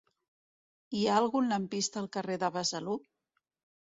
Hi ha algun lampista al carrer de Besalú?